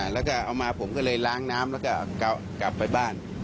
แล้วก็เอามาผมก็เลยล้างน้ำแล้วก็กลับไปบ้าน